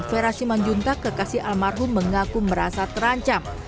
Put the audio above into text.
vera simanjunta kekasih almarhum mengaku merasa terancam